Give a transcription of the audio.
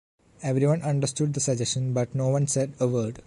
Everyone understood the suggestion but no one said a word.